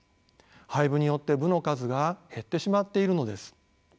廃部によって部の数が減ってしまっているのです。